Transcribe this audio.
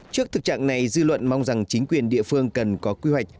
trước thực trạng này dư luận mong rằng chính quyền địa phương cần có quy hoạch